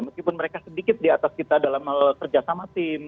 meskipun mereka sedikit di atas kita dalam kerjasama tim